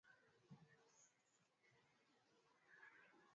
wa Meskhetian ambao asili yao ni ya karne